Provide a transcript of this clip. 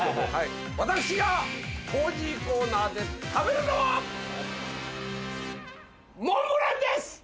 私がコージーコーナーで食べるのはモンブランです！